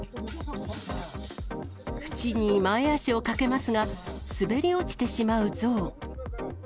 縁に前足をかけますが、滑り落ちてしまうゾウ。